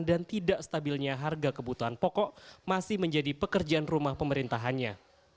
dan tidak stabilnya harga kebutuhan pokok masih menjadi pekerjaan rumah pemerintahannya